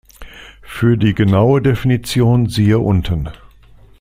Für die genaue Definition siehe unten.